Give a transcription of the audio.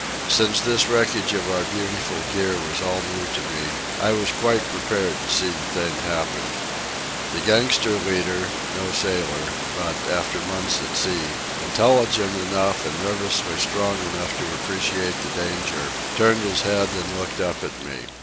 Since this wreckage of our beautiful gear was all new to me, I was quite prepared to see the thing happen. The gangster leader, no sailor, but, after months at sea, intelligent enough and nervously strong enough to appreciate the danger, turned his head and looked up at me.